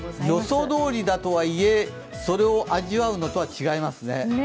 予想どおりだとはいえ、それを味わうのとは違いますね。